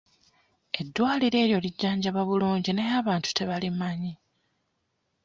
Eddwaliro eryo lijjanjaba bulungi naye abantu tebalimanyi.